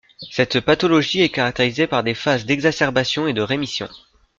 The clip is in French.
Cette pathologie est caractérisée par des phases d'exacerbation et de rémissions.